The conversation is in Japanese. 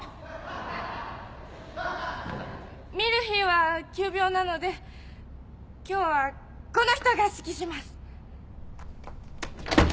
ミルヒーは急病なので今日はこの人が指揮します！